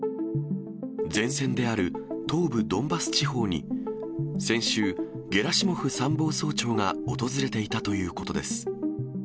前線である東部ドンバス地方に先週、ゲラシモフ参謀総長が訪れていたということです。